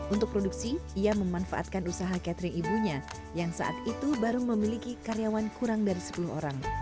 untuk produksi ia memanfaatkan usaha catering ibunya yang saat itu baru memiliki karyawan kurang dari sepuluh orang